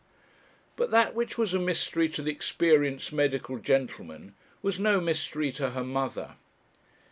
But that which was a mystery to the experienced medical gentleman, was no mystery to her mother.